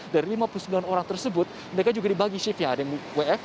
dari lima puluh sembilan orang tersebut mereka juga dibagi shift ya dengan wfh